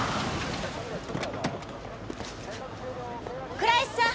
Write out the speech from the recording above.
倉石さん！